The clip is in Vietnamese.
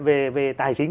về tài chính